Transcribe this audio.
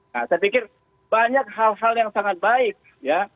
nah saya pikir banyak hal hal yang sangat baik ya